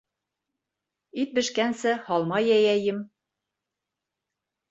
Ит бешкәнсе, һалма йәйәйем.